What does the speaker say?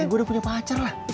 gue udah punya pacar lah